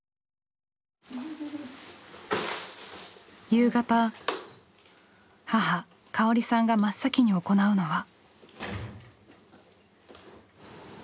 夕方母香織さんが真っ先に行うのは。